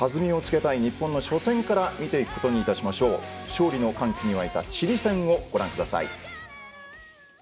勝利の歓喜に沸いたチリ戦をご覧ください。